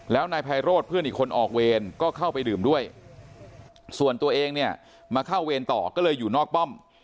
แล้วนายไพโรธเพื่อนอีกคนออกเวรก็เข้าไปดื่มด้วยส่วนตัวเองเนี่ยมาเข้าเวรต่อก็เลยอยู่นอกป้อม